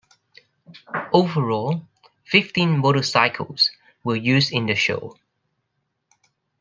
Overall, fifteen motorcycles were used in the show.